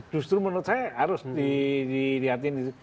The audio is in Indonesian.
justru menurut saya harus dilihatin